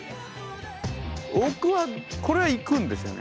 僕はこれは行くんですよね。